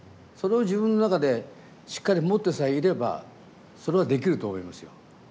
それを自分の中でしっかり持ってさえいればそれはできると思いますよ。